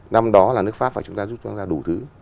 năm đó là nước pháp phải chúng ta giúp chúng ta ra đủ thứ